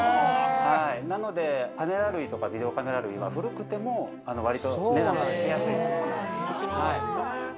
なので、カメラ類とかビデオカメラ類は古くてもわりと値段がつきやすい。